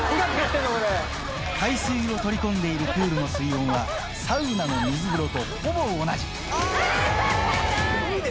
海水を取り込んでいるプールの水温はサウナの水風呂とほぼ同じ。